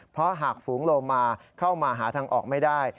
เพราะหากฝูงโลมาเข้ามาหาทางออกไม่ได้